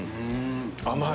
甘い。